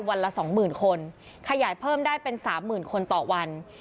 วันละสองหมื่นคนขยายเพิ่มได้เป็นสามหมื่นคนต่อวัน